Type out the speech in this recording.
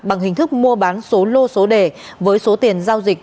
bằng hình thức mua bán số lô số đề với số tiền giao dịch